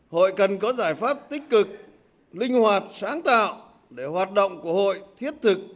hội cần có giải pháp tích cực linh hoạt sáng tạo để hoạt động của hội thiết thực